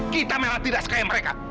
kita memang tidak sekaya mereka